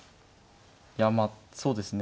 いやまあそうですね